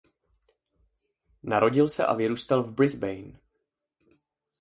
Narodil se a vyrůstal v Brisbane.